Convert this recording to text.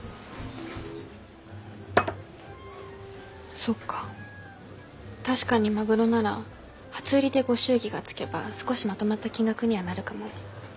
そっか確かにマグロなら初売りでご祝儀がつけば少しまとまった金額にはなるかもね。